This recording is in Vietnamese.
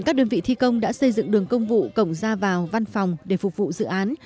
các đơn vị thi công đã xây dựng đường công vụ cổng ra vào văn phòng để phục vụ dự án